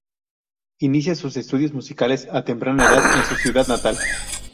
Inicia sus estudios musicales a temprana edad en su ciudad natal.